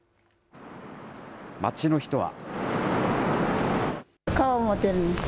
街の人は。